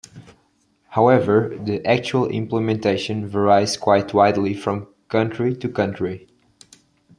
However the actual implementation varies quite widely from country to country.